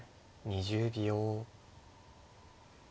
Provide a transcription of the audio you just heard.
２０秒。